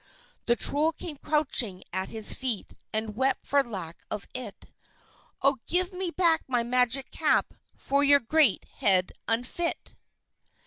The Troll came crouching at his feet and wept for lack of it. "Oh, give me back my magic cap, for your great head unfit!"